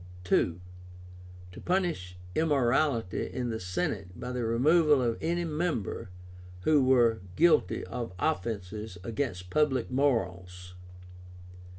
II. To punish immorality in the Senate by the removal of any members who were guilty of offences against public morals.